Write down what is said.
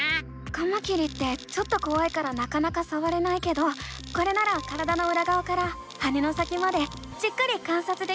カマキリってちょっとこわいからなかなかさわれないけどこれなら体のうらがわから羽の先までじっくり観察できるね！